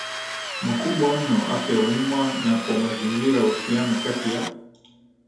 makubwa mno afya ya umma na kwa mazingiraUhusiano kati ya